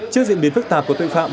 trước diễn biến phức tạp của tội phạm